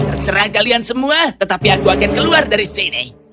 terserah kalian semua tetapi aku akan keluar dari sini